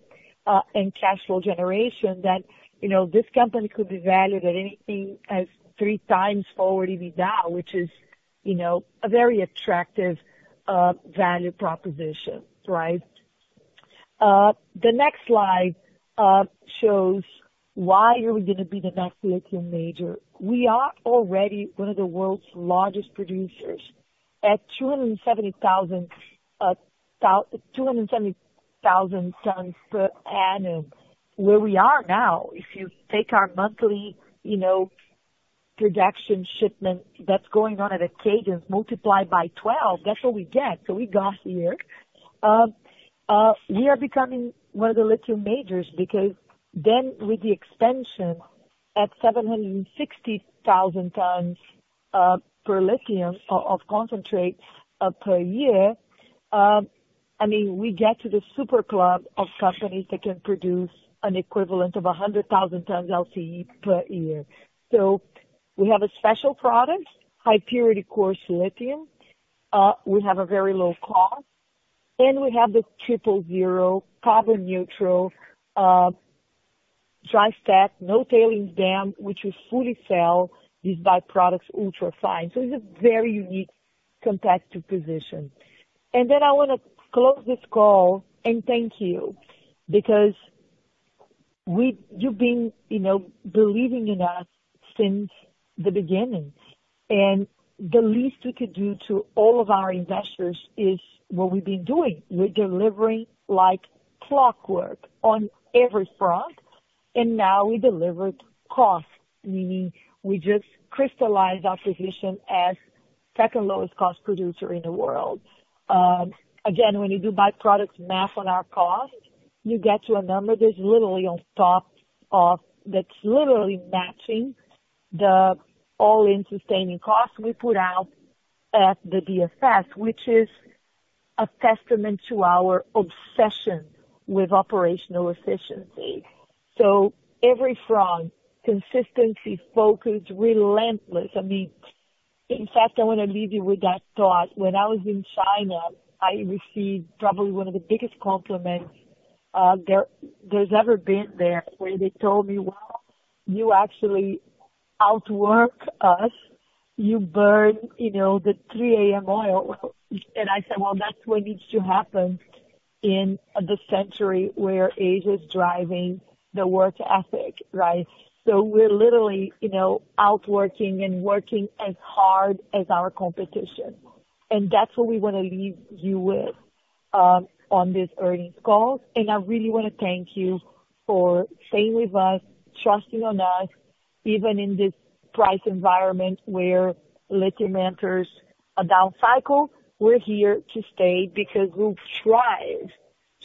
and cash flow generation, that, you know, this company could be valued at anything as 3x forward EBITDA, which is, you know, a very attractive value proposition, right? The next slide shows why are we gonna be the next lithium major. We are already one of the world's largest producers at 270,000 tons per annum. Where we are now, if you take our monthly, you know, production shipment that's going on at a cadence multiplied by twelve, that's what we get. So we got here. We are becoming one of the lithium majors because then with the expansion at 760,000 tons per lithium of concentrate per year, I mean, we get to the super club of companies that can produce an equivalent of 100,000 tons LCE per year. So we have a special product, high purity coarse lithium. We have a very low cost, and we have the Triple Zero carbon neutral, dry stack, no tailings dam, which we fully sell these byproducts ultra fine. So it's a very unique competitive position. And then I wanna close this call, and thank you, because you've been, you know, believing in us since the beginning. And the least we could do to all of our investors is what we've been doing. We're delivering like clockwork on every front, and now we delivered cost, meaning we just crystallized our position as second lowest cost producer in the world. Again, when you do byproducts math on our cost, you get to a number that's literally on top of, that's literally matching the all-in sustaining cost we put out at the DFS, which is a testament to our obsession with operational efficiency. So every front, consistency, focus, relentless. I mean, in fact, I wanna leave you with that thought. When I was in China, I received probably one of the biggest compliments, there's ever been there, where they told me, "Well, you actually outwork us. You burn, you know, the 3 a.m. oil." And I said, "Well, that's what needs to happen in the century where Asia is driving the work ethic," right? So we're literally, you know, outworking and working as hard as our competition, and that's what we wanna leave you with, on this earnings call, and I really want to thank you for staying with us, trusting on us, even in this price environment where lithium enters a down cycle. We're here to stay because we thrive,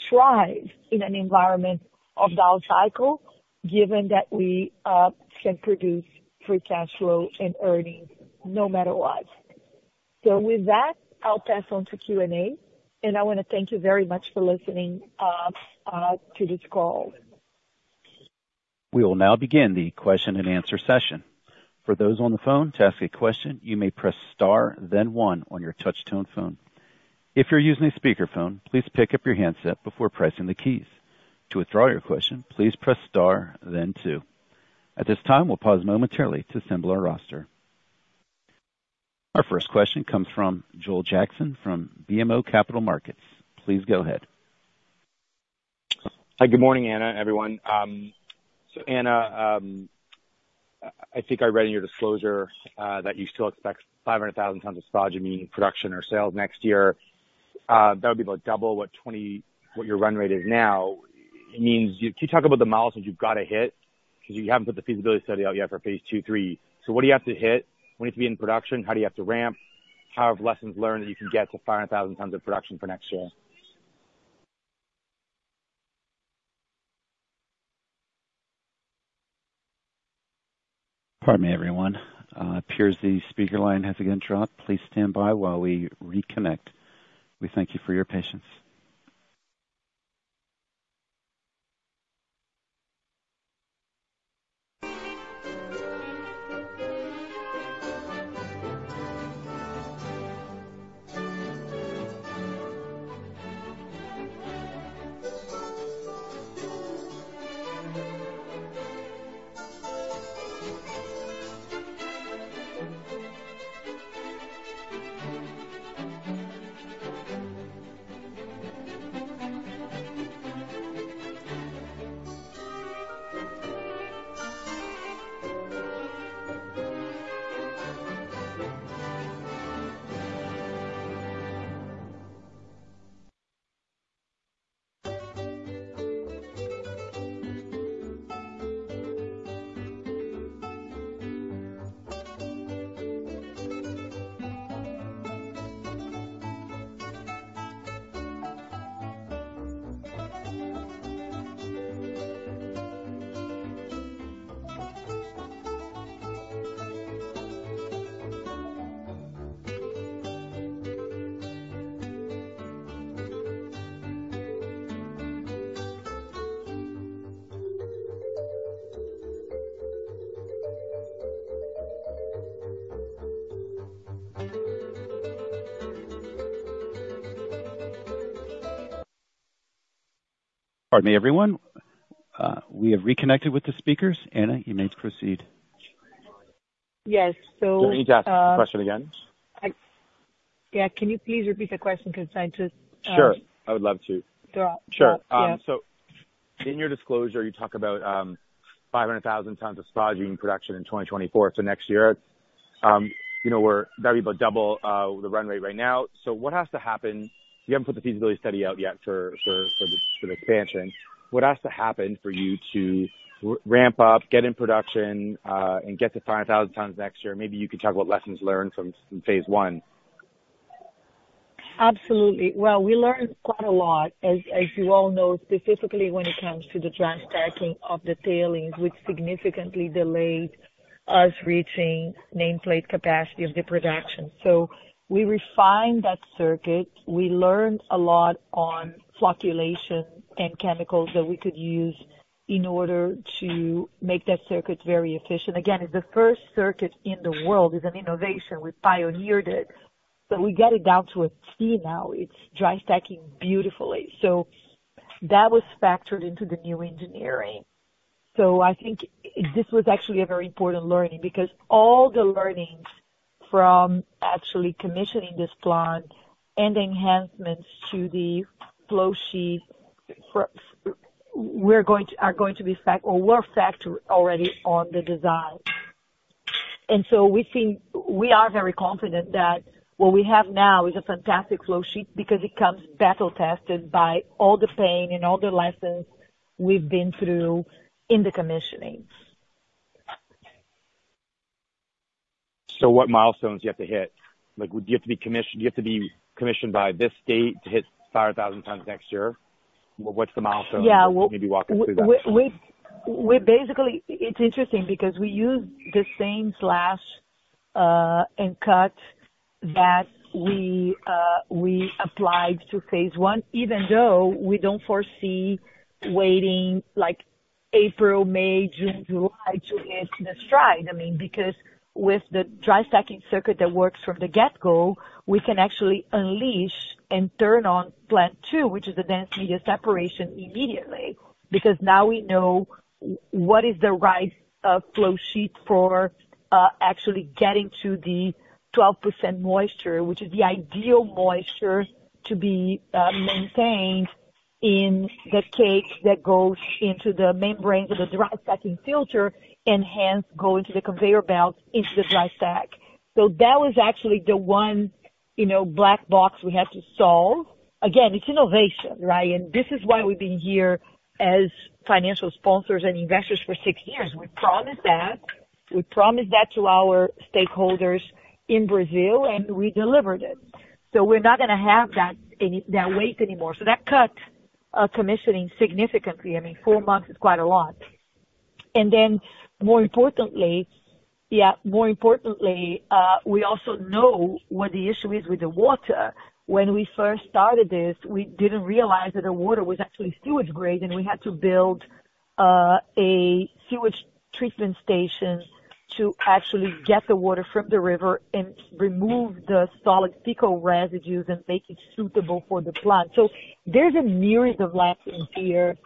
thrive in an environment of down cycle, given that we can produce free cash flow and earnings no matter what. With that, I'll pass on to Q&A. I wanna thank you very much for listening to this call. We will now begin the question-and-answer session. For those on the phone, to ask a question, you may press star, then one on your touch tone phone. If you're using a speakerphone, please pick up your handset before pressing the keys. To withdraw your question, please press star then two. At this time, we'll pause momentarily to assemble our roster. Our first question comes from Joel Jackson, from BMO Capital Markets. Please go ahead. Hi, good morning, Ana, everyone. So Ana, I think I read in your disclosure that you still expect 500,000 tons of spodumene production or sales next year. That would be about double what your run rate is now. It means, can you talk about the milestones you've got to hit? Because you haven't put the feasibility study out yet for phase II, III. So what do you have to hit? When to be in production? How do you have to ramp? How have lessons learned that you can get to 500,000 tons of production for next year? Pardon me, everyone. Appears the speaker line has again dropped. Please stand by while we reconnect. We thank you for your patience. Pardon me, everyone, we have reconnected with the speakers. Ana, you may proceed. Yes, so. Do I need to ask the question again? Yeah. Can you please repeat the question? Because I just. Sure, I would love to. Drop. Sure. Yeah. So in your disclosure, you talk about 500,000 tons of spodumene production in 2024, so next year. You know, we're very about double the run rate right now. So what has to happen? You haven't put the feasibility study out yet for the expansion. What has to happen for you to ramp up, get in production, and get to 500,000 tons next year? Maybe you could talk about lessons learned from phase I. Absolutely. Well, we learned quite a lot, as you all know, specifically when it comes to the transpacking of the tailings, which significantly delayed us reaching nameplate capacity of the production. So we refined that circuit. We learned a lot on flocculation and chemicals that we could use in order to make that circuit very efficient. Again, it's the first circuit in the world. It's an innovation. We pioneered it, but we got it down to a T now. It's dry stacking beautifully. So that was factored into the new engineering. So I think this was actually a very important learning because all the learnings from actually commissioning this plant and enhancements to the flow sheet were factored already on the design. And so we think we are very confident that what we have now is a fantastic flow sheet, because it comes battle-tested by all the pain and all the lessons we've been through in the commissioning. So what milestones do you have to hit? Like, do you have to be commissioned, do you have to be commissioned by this date to hit 500,000 tons next year? What's the milestone? Yeah. Maybe walk us through that. We basically, it's interesting because we use the same slash and cut that we applied to phase I, even though we don't foresee waiting like April, May, June, July, to get in the stride. I mean, because with the dry stacking circuit that works from the get-go, we can actually unleash and turn on plant two, which is a dense media separation, immediately. Because now we know what is the right flow sheet for actually getting to the 12% moisture, which is the ideal moisture to be maintained in the cake that goes into the membrane of the dry stacking filter and hence go into the conveyor belt into the dry stack. So that was actually the one, you know, black box we had to solve. Again, it's innovation, right? This is why we've been here as financial sponsors and investors for six years. We promised that, we promised that to our stakeholders in Brazil, and we delivered it. So we're not gonna have that any that waste anymore. So that cut commissioning significantly. I mean, four months is quite a lot. And then, more importantly, we also know what the issue is with the water. When we first started this, we didn't realize that the water was actually sewage grade, and we had to build a sewage treatment station to actually get the water from the river and remove the solid fecal residues and make it suitable for the plant. So there's a myriad of lessons here,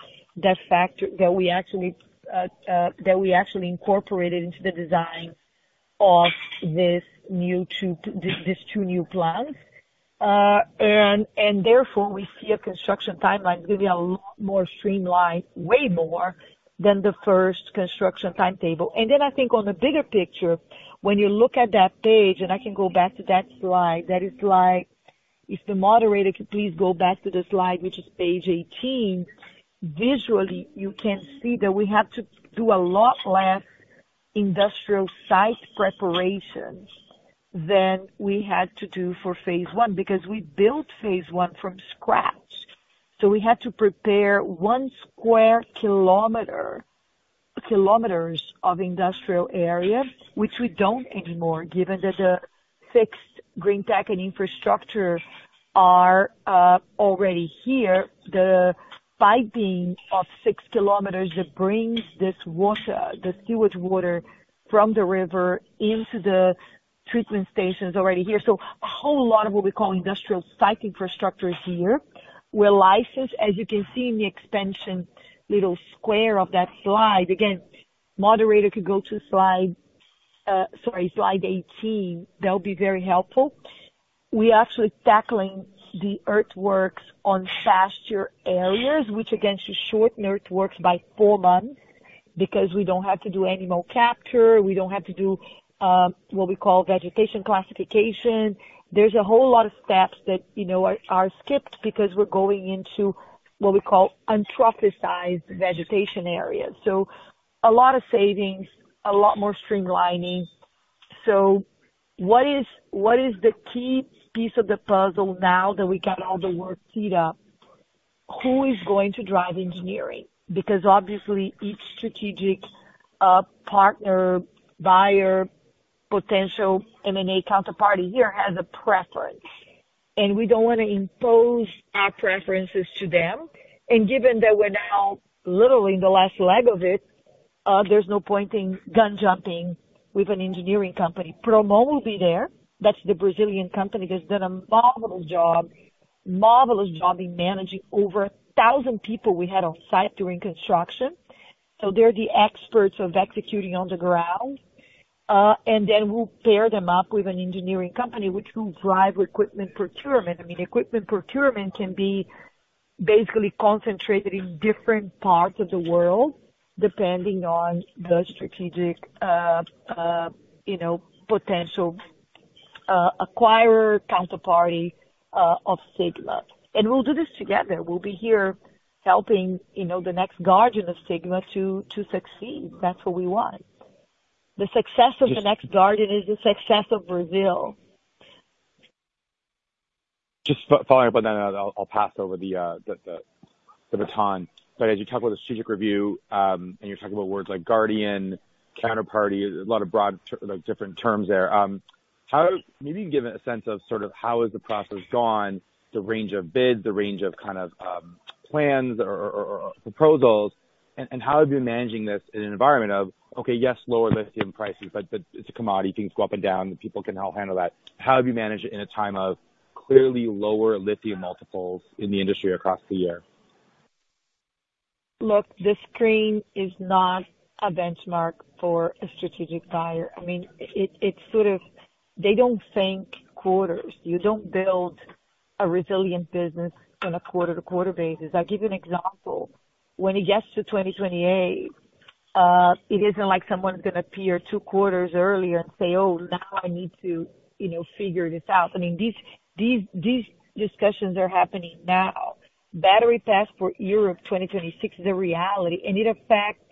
that we actually incorporated into the design of these two new plants. Therefore, we see a construction timeline giving a lot more streamlined, way more than the first construction timetable. Then I think on the bigger picture, when you look at that page, and I can go back to that slide, that is like. If the moderator could please go back to the slide, which is page 18. Visually, you can see that we have to do a lot less industrial site preparation than we had to do for phase I because we built phase I from scratch. So we had to prepare one square kilometer of industrial area, which we don't anymore, given that the fixed Greentech and infrastructure are already here. The piping of 6 kilometers that brings this water, the sewage water from the river into the treatment station is already here. So a whole lot of what we call industrial site infrastructure is here. We're licensed, as you can see in the expansion, little square of that slide. Again, moderator could go to slide, sorry, slide 18. That would be very helpful. We're actually tackling the earthworks on faster areas, which again, should shorten earthworks by four months, because we don't have to do any more capture. We don't have to do what we call vegetation classification. There's a whole lot of steps that, you know, are skipped because we're going into what we call anthropized vegetation areas. So a lot of savings, a lot more streamlining. So what is the key piece of the puzzle now that we got all the work teed up? Who is going to drive engineering? Because obviously, each strategic partner, buyer, potential M&A counterparty here has a preference, and we don't want to impose our preferences to them. And given that we're now literally in the last leg of it, there's no point in gun jumping with an engineering company. Promon will be there. That's the Brazilian company that's done a marvelous job, marvelous job in managing over 1,000 people we had on site during construction. So they're the experts of executing on the ground. And then we'll pair them up with an engineering company, which will drive equipment procurement. I mean, equipment procurement can be basically concentrated in different parts of the world, depending on the strategic, you know, potential acquirer, counterparty of Sigma. And we'll do this together. We'll be here helping, you know, the next guardian of Sigma to succeed. That's what we want. The success of the next guardian is the success of Brazil. Just following up on that, and I'll pass over the baton. But as you talk about the strategic review, and you're talking about words like guardian, counterparty, a lot of broad, like, different terms there, maybe you can give a sense of sort of how the process has gone, the range of bids, the range of kind of plans or proposals, and how have you been managing this in an environment of, okay, yes, lower lithium prices, but it's a commodity, things go up and down, and people can all handle that. How have you managed it in a time of clearly lower lithium multiples in the industry across the year? Look, the screen is not a benchmark for a strategic buyer. I mean, it, it's sort of, they don't think quarters. You don't build a resilient business on a quarter-to-quarter basis. I'll give you an example. When it gets to 2028, it isn't like someone's gonna appear two quarters earlier and say, "Oh, now I need to, you know, figure this out." I mean, these, these, these discussions are happening now. Battery Passport Europe 2026 is a reality, and it affects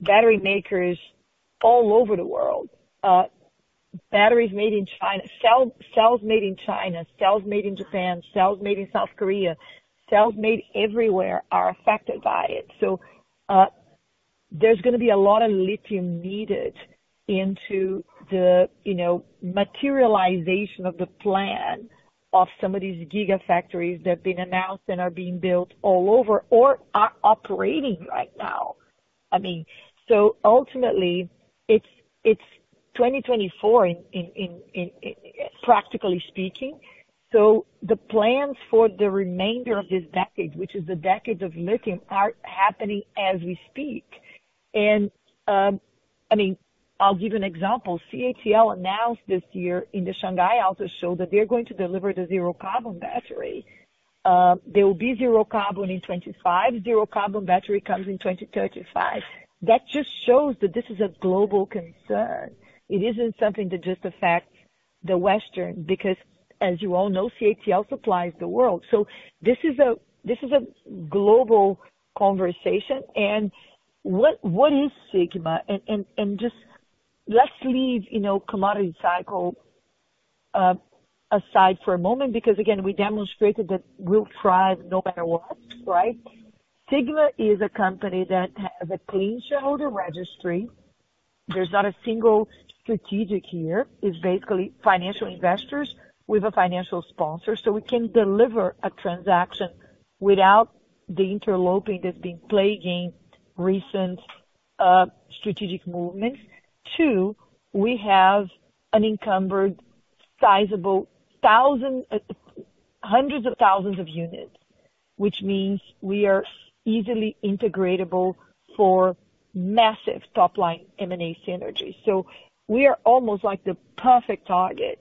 battery makers all over the world. Batteries made in China, cells, cells made in China, cells made in Japan, cells made in South Korea, cells made everywhere are affected by it. So, there's gonna be a lot of lithium needed into the, you know, materialization of the plan of some of these gigafactories that have been announced and are being built all over or are operating right now. I mean, so ultimately, it's 2024, in, practically speaking. So the plans for the remainder of this decade, which is the decade of lithium, are happening as we speak. And, I mean, I'll give you an example. CATL announced this year in the Shanghai Auto Show that they're going to deliver the zero-carbon battery. They will be zero carbon in 2025. Zero-carbon battery comes in 2035. That just shows that this is a global concern. It isn't something that just affects the Western, because as you all know, CATL supplies the world. So this is a, this is a global conversation. What is Sigma? And just let's leave, you know, commodity cycle aside for a moment, because, again, we demonstrated that we'll thrive no matter what, right? Sigma is a company that has a clean shareholder registry. There's not a single strategic here. It's basically financial investors with a financial sponsor, so we can deliver a transaction without the interloping that's been plaguing recent strategic movements. Two, we have unencumbered, sizable, hundreds of thousands of units, which means we are easily integratable for massive top-line M&A synergies. So we are almost like the perfect target,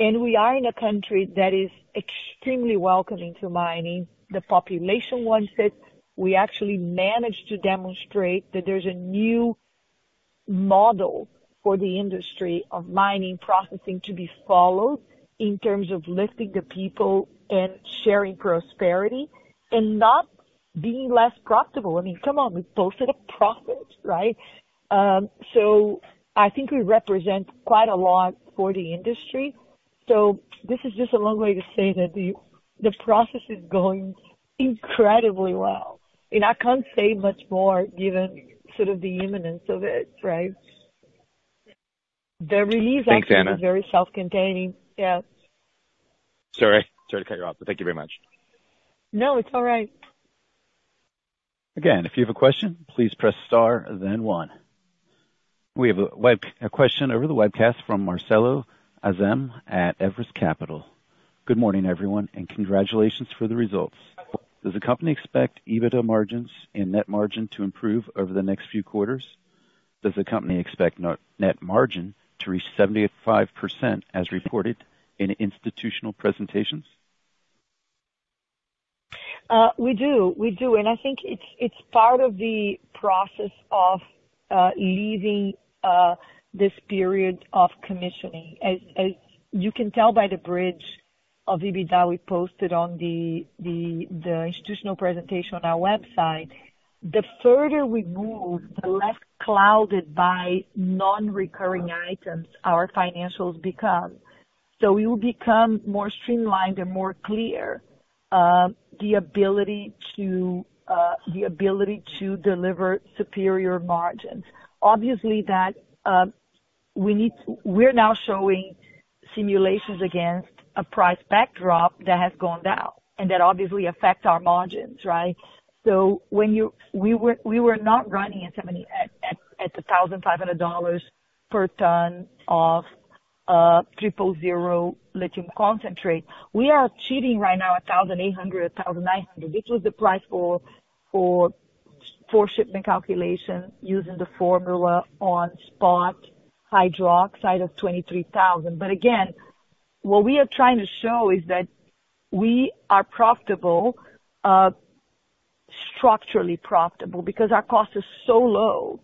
and we are in a country that is extremely welcoming to mining. The population wants it. We actually managed to demonstrate that there's a new model for the industry of mining processing to be followed in terms of lifting the people and sharing prosperity and not being less profitable. I mean, come on, we posted a profit, right? So I think we represent quite a lot for the industry. So this is just a long way to say that the process is going incredibly well, and I can't say much more given sort of the imminence of it, right? The release actually- Thanks, Ana. Is very self-containing. Yeah. Sorry, sorry to cut you off, but thank you very much. No, it's all right. Again, if you have a question, please press star then one. We have a question over the webcast from Marcelo Azem at Everest Capital. Good morning, everyone, and congratulations for the results. Does the company expect EBITDA margins and net margin to improve over the next few quarters? Does the company expect net, net margin to reach 75%, as reported in institutional presentations? We do. We do, and I think it's part of the process of leaving this period of commissioning. As you can tell by the bridge of EBITDA, we posted on the institutional presentation on our website. The further we move, the less clouded by non-recurring items our financials become. So we will become more streamlined and more clear, the ability to deliver superior margins. Obviously, that, we need to, we're now showing simulations against a price backdrop that has gone down, and that obviously affect our margins, right? So when you, we were not running at 70-- at $1,500 per ton of Triple Zero Lithium concentrate. We are achieving right now $1,800, $1,900, which was the price for shipment calculation using the formula on spot hydroxide of $23,000. But again, what we are trying to show is that we are profitable, structurally profitable, because our cost is so low,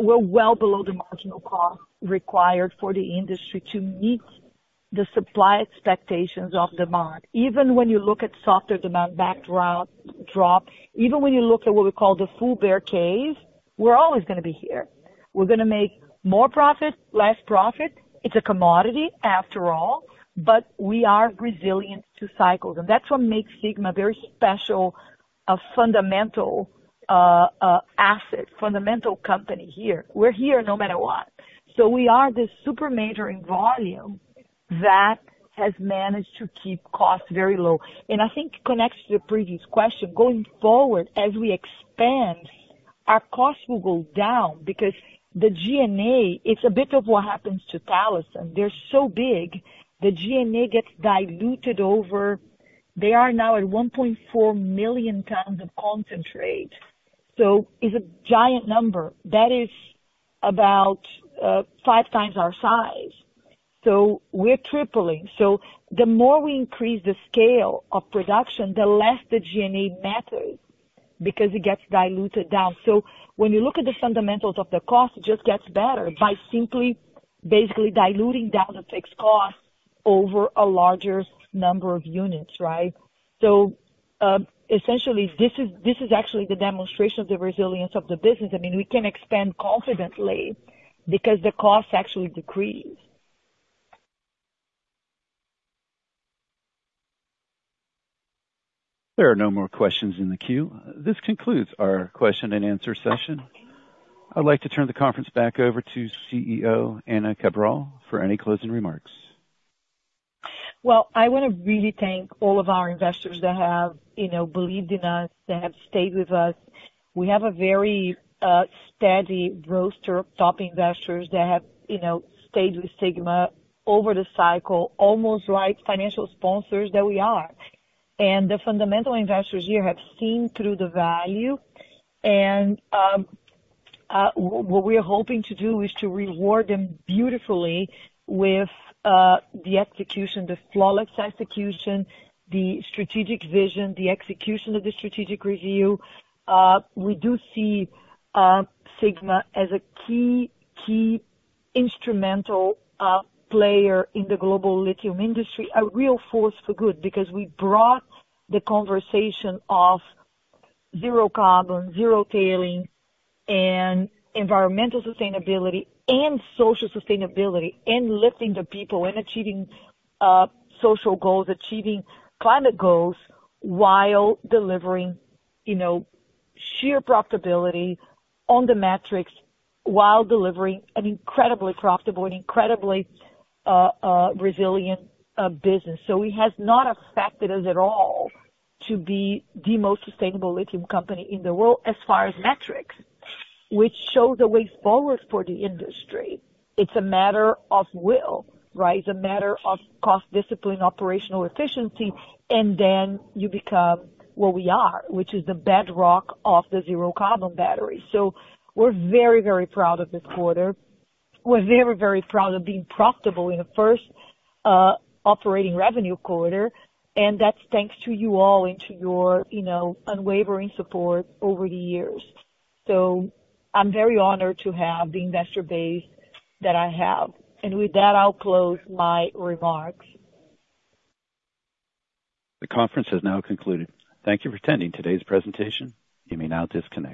we're well below the marginal cost required for the industry to meet the supply expectations of demand. Even when you look at softer demand backdrop, even when you look at what we call the full bear case, we're always gonna be here. We're gonna make more profit, less profit. It's a commodity after all. But we are resilient to cycles, and that's what makes Sigma a very special, a fundamental asset, fundamental company here. We're here no matter what. We are this super major in volume that has managed to keep costs very low. I think it connects to the previous question. Going forward, as we expand, our costs will go down because the G&A, it's a bit of what happens to Talison. They're so big, the G&A gets diluted over. They are now at 1.4 million tons of concentrate, so it's a giant number. That is about 5 times our size, so we're tripling. So the more we increase the scale of production, the less the G&A matters, because it gets diluted down. So when you look at the fundamentals of the cost, it just gets better by simply basically diluting down the fixed cost over a larger number of units, right? Essentially, this is actually the demonstration of the resilience of the business. I mean, we can expand confidently because the costs actually decrease. There are no more questions in the queue. This concludes our question and answer session. I'd like to turn the conference back over to CEO Ana Cabral for any closing remarks. Well, I wanna really thank all of our investors that have, you know, believed in us, that have stayed with us. We have a very steady roster of top investors that have, you know, stayed with Sigma over the cycle, almost like financial sponsors that we are. And what we are hoping to do is to reward them beautifully with the execution, the flawless execution, the strategic vision, the execution of the strategic review. We do see Sigma as a key, key instrumental player in the global lithium industry, a real force for good, because we brought the conversation of zero carbon, zero tailings, and environmental sustainability and social sustainability, and lifting the people and achieving social goals, achieving climate goals while delivering, you know, sheer profitability on the metrics, while delivering an incredibly profitable and incredibly resilient business. So it has not affected us at all to be the most sustainable lithium company in the world as far as metrics, which shows a way forward for the industry. It's a matter of will, right? It's a matter of cost discipline, operational efficiency, and then you become what we are, which is the bedrock of the zero carbon battery. So we're very, very proud of this quarter. We're very, very proud of being profitable in the first operating revenue quarter, and that's thanks to you all and to your, you know, unwavering support over the years. So I'm very honored to have the investor base that I have. And with that, I'll close my remarks. The conference has now concluded. Thank you for attending today's presentation. You may now disconnect.